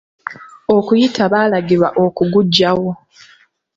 Okuyita balagirwa okuguggyawo.